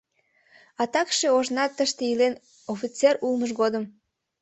А такше ожнат тыште илен, офицер улмыж годым...